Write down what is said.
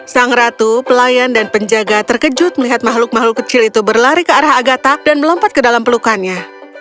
sang ratu pelayan dan penjaga terkejut melihat makhluk makhluk kecil itu berlari ke arah agata dan melompat ke dalam pelukannya